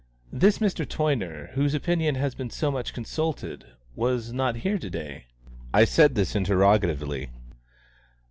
"This Mr. Toyner, whose opinion has been so much consulted, was not here to day?" I said this interrogatively.